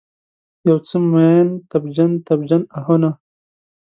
یوڅو میین، تبجن، تبجن آهونه